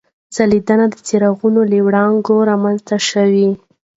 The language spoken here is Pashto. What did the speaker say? ځلېدنه د څراغونو له وړانګو رامنځته شوې.